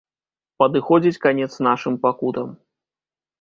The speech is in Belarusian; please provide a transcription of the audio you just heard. Падыходзіць канец нашым пакутам.